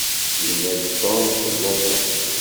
Yenna-d Tom telluẓem.